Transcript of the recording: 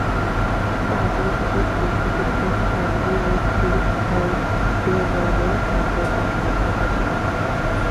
রাজনীতিবিদ ও চিকিৎসক হেনরি উইনফিল্ড হ্যালডেম্যানের সাথে তার সম্পর্ক ছিল।